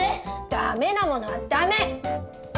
ダメなものはダメ！